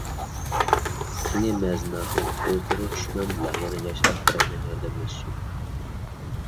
قېنى، مەزىن ئاخۇنۇم، ئۆزلىرى چۈشمەمدىلا، يەنە ياشراق بىرەيلەن ياردەملەشسۇن.